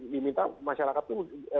diminta masyarakat itu